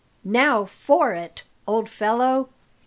"Now for it, old fellow!"